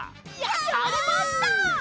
やりました！